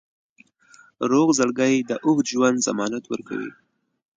روغ زړګی د اوږد ژوند ضمانت ورکوي.